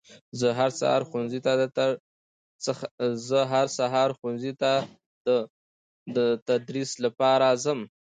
زه هر سهار ښوونځي ته در تدریس لپاره ځم